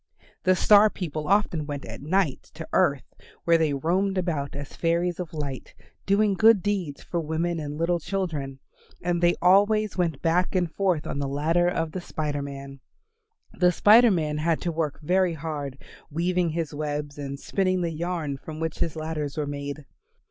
The Star people often went at night to earth where they roamed about as fairies of light, doing good deeds for women and little children, and they always went back and forth on the ladder of the Spider Man. The Spider Man had to work very hard, weaving his webs, and spinning the yarn from which his ladders were made.